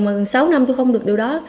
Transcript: mà sáu năm tôi không được điều đó